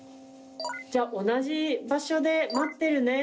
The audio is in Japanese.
じゃあ同じ場所で待ってるね。